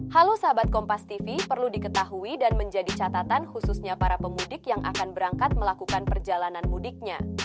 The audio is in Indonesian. halo sahabat kompas tv perlu diketahui dan menjadi catatan khususnya para pemudik yang akan berangkat melakukan perjalanan mudiknya